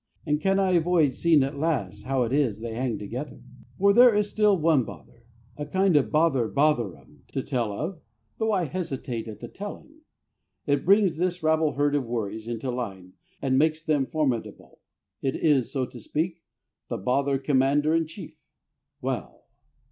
And can I avoid seeing at last how it is they hang together? For there is still one other bother, a kind of bother botherum, to tell of, though I hesitate at the telling. It brings this rabble herd of worries into line and makes them formidable; it is, so to speak, the Bother Commander in Chief. Well!